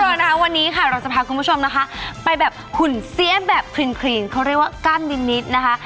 เอาเลยวันนี้ค่ะเราจะพาคุณผู้ชมนะคะไปหุ่นเสี้ยแบบพลิ้นเขาเรียกว่ากาลดินิทนะคะ